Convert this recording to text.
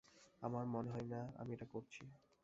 আমার মনে হয় না আমি এটা করছি।